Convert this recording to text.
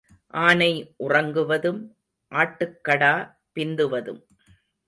ஆனை உறங்குவதும் ஆட்டுக்கிடா பிந்துவதும்.